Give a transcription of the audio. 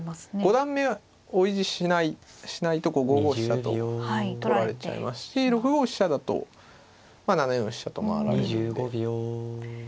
五段目を維持しないと５五飛車と取られちゃいますし６五飛車だと７四飛車と回られるんで。